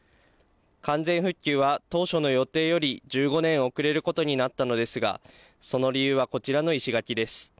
完全復旧は当初の予定より１５年遅れることになったのですが、その理由はこちらの石垣です。